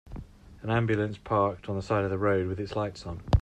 An ambulance parked on the side of a road with its lights on.